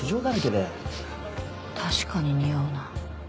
確かににおうな。